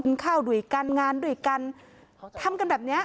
ข้าวด้วยกันงานด้วยกันทำกันแบบเนี้ย